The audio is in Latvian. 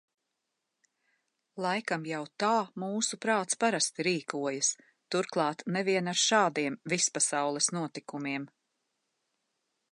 Laikam jau tā mūsu prāts parasti rīkojas, turklāt ne vien ar šādiem vispasaules notikumiem.